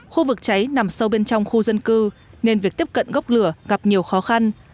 khu vực cháy nằm sâu bên trong khu dân cư nên việc tiếp cận gốc lửa gặp nhiều khó khăn